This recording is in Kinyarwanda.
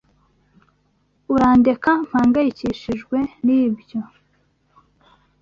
Urandeka mpangayikishijwe nibyo.